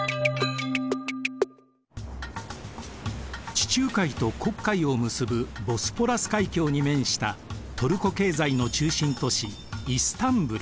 地中海と黒海を結ぶボスポラス海峡に面したトルコ経済の中心都市イスタンブル。